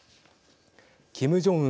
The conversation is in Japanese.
キム・ジョンウン